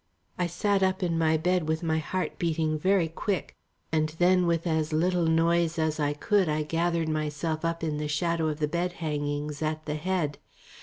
I sat up in my bed with my heart beating very quick; and then with as a little noise as I could I gathered myself up in the shadow of the bed hangings, at the head.